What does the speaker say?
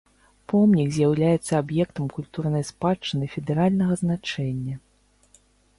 Помнік з'яўляецца аб'ектам культурнай спадчыны федэральнага значэння.